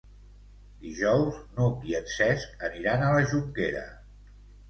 Dijous n'Hug i en Cesc aniran a la Jonquera.